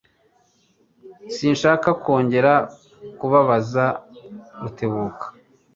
Sinshaka kongera kubabaza Rutebuka.